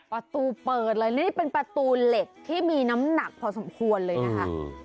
ประตูเปิดเลยนี่เป็นประตูเหล็กที่มีน้ำหนักพอสมควรเลยนะคะ